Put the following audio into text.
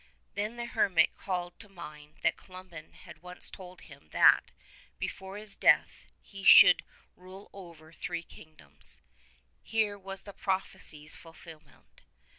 Then the hermit called to mind that Columban had once told him that, before his death, he should rule over three kingdoms. Here was the prophecy's fulfilment.